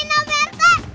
kembali nomer tiga